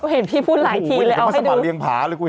เห็นพี่พูดหลายทีเลยเอาให้ดู